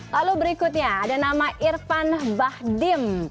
lalu berikutnya ada nama irfan bahdim